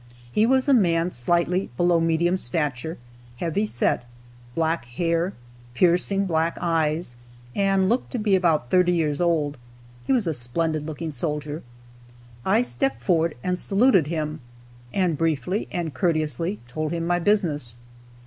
He was a man slightly below medium stature, heavy set, black hair, piercing black eyes, and looked to be about thirty years old. He was a splendid looking soldier. I stepped forward and saluted him, and briefly and courteously told him my business.